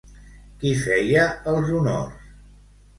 Qui feia els honors?